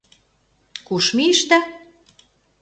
— Куш мийышда?